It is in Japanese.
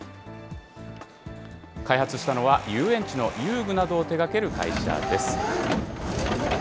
開発したのは、遊園地の遊具などを手がける会社です。